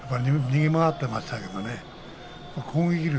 逃げ回っていましたけどね。